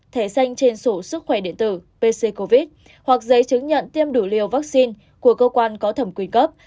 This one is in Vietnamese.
thẻ xanh trên sổ sức khỏe điện tử pc covid hoặc giấy chứng nhận tiêm đủ liều vaccine của cơ quan có thẩm quyền cấp